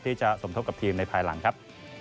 สมทบกับทีมในภายหลังครับ